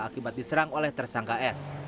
akibat diserang oleh tersangka s